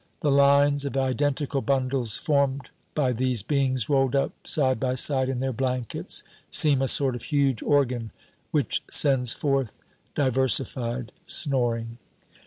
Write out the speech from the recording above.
The lines of identical bundles formed by these beings rolled up side by side in their blankets seem a sort of huge organ, which sends forth diversified snoring.